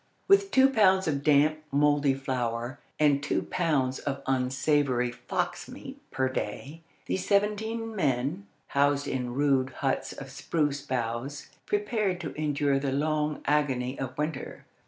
With two pounds of damp, mouldy flour and two pounds of unsavoury fox meat per day, these seventeen men, housed in rude huts of spruce boughs, prepared to endure the long agony of winter.